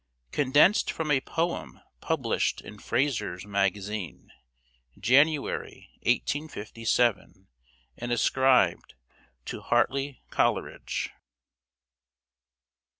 Condensed from a poem published in Fraser's Magazine, January, 1857, and ascribed to Hartley Coleridge.